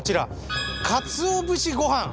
かつお節ごはん